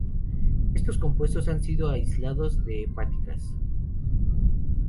Estos compuestos han sido aislados de hepáticas.